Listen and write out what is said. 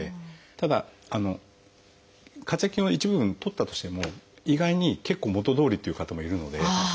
ただ括約筋は一部分取ったとしても意外に結構元どおりという方もいるので。